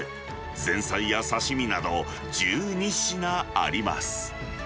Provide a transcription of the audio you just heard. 前菜や刺身など、１２品あります。